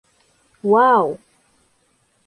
Уау!